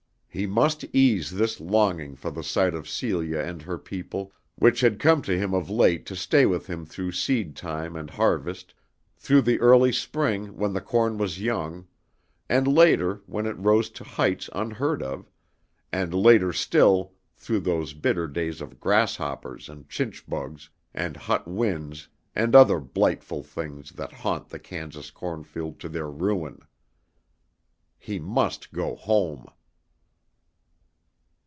He must ease this longing for the sight of Celia and her people which had come to him of late to stay with him through seed time and harvest, through the early spring when the corn was young, and later when it rose to heights unheard of, and later still through those bitter days of grasshoppers and chinch bugs and hot winds and other blightful things that haunt the Kansas cornfield to their ruin. He must go home.